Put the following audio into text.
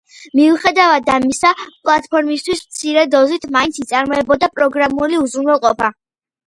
მიუხედავად ამისა, პლატფორმისთვის მცირე დოზით მაინც იწარმოებოდა პროგრამული უზრუნველყოფა.